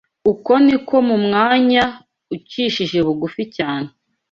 Uko ni ko mu mwanya ucishije bugufi cyane